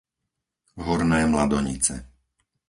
Horné Mladonice